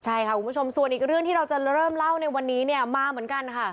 ใช่ค่ะคุณผู้ชมส่วนอีกเรื่องที่เราจะเริ่มเล่าในวันนี้เนี่ยมาเหมือนกันค่ะ